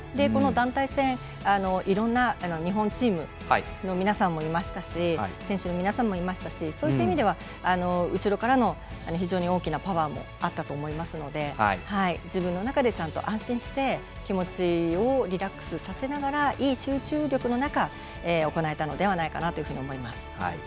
この団体戦いろんな日本チームの皆さんもいたし選手の皆さんもいましたしそういった意味では後ろからの非常に大きなパワーもあったと思いますので自分の中でちゃんと安心して気持ちをリラックスさせながらいい集中力の中行えたのではないかなと思います。